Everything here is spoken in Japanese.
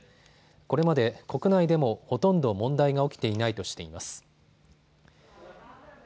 これまで国内でもほとんど問題が起きていないとしています。